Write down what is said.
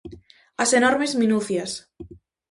As enormes minucias.